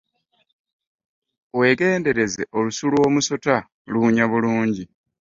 Wegendereza olusu lw'omusota luwunya bulungi.